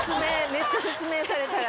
めっちゃ説明されたら。